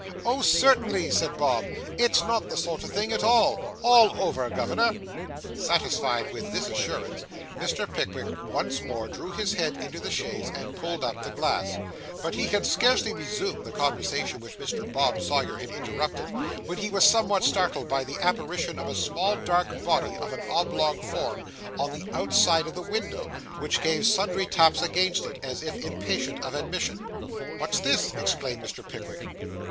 'Oh, certainly,' said Bob, 'it's not the sort of thing at all. All over, governor.' Satisfied with this assurance, Mr. Pickwick once more drew his head into the chaise and pulled up the glass; but he had scarcely resumed the conversation which Mr. Bob Sawyer had interrupted, when he was somewhat startled by the apparition of a small dark body, of an oblong form, on the outside of the window, which gave sundry taps against it, as if impatient of admission. 'What's this?' exclaimed Mr. Pickwick.